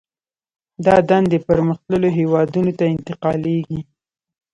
دا دندې پرمختللو هېوادونو ته انتقالېږي